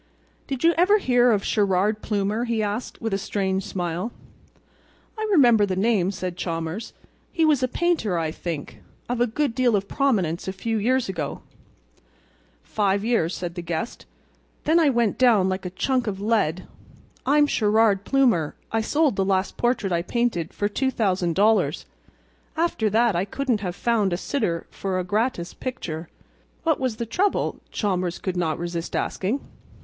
"Did you ever hear of Sherrard Plumer?" he asked, with a strange smile. "I remember the name," said Chalmers. "He was a painter, I think, of a good deal of prominence a few years ago." "Five years," said the guest. "Then I went down like a chunk of lead. I'm Sherrard Plumer! I sold the last portrait I painted for $2,000. After that I couldn't have found a sitter for a gratis picture." "What was the trouble?" Chalmers could not resist asking.